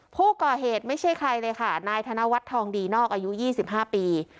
ผู้ก่อเหตุไม่ใช่ใครเลยค่ะนายธนวัฒน์ทองดีนอกอายุ๒๕ปี